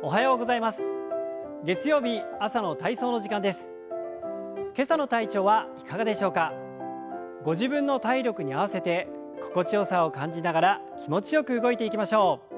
ご自分の体力に合わせて心地よさを感じながら気持ちよく動いていきましょう。